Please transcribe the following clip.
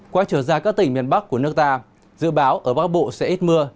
quay trở ra các tỉnh miền bắc của nước ta dự báo ở bắc bộ sẽ ít mưa